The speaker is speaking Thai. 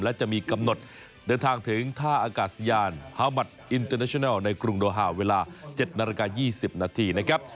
และจะมีกำหนดเดินทางถึงท่าอากาศยานฮามัดอินเตอร์เนชนัลในกรุงโดฮาวเวลา๗นาฬิกา๒๐นาทีนะครับ